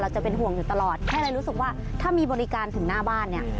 จะเป็นห่วงอยู่ตลอดแค่เลยรู้สึกว่าถ้ามีบริการถึงหน้าบ้านเนี่ย